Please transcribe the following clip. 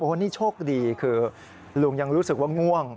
นี่โชคดีคือลุงยังรู้สึกว่าง่วง